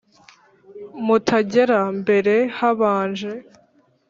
mutagera, mbere habanje